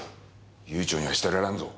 悠長にはしてられんぞ。